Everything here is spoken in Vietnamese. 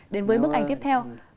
đến với bức ảnh tiếp theo